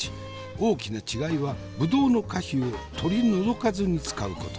大きな違いはぶどうの果皮を取り除かずに使うこと。